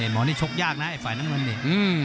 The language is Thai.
เห็นหมอนี่ชกยากนะไอ้ฝ่ายน้ำน้ำนี้